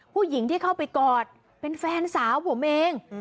ผู้หญิงที่เข้าไปกอดเป็นแฟนสาวผมเอง